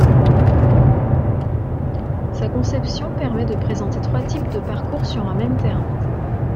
Sa conception permet de présenter trois types de parcours sur un même terrain.